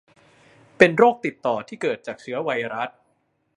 เป็นโรคติดต่อที่เกิดจากเชื้อไวรัส